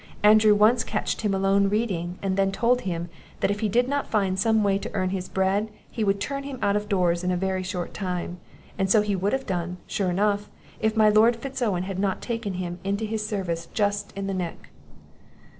Andrew once catched him alone reading, and then told him, that if he did not find some way to earn his bread, he would turn him out of doors in a very short time; and so he would have done, sure enough, if my Lord Fitz Owen had not taken him into his service just in the nick."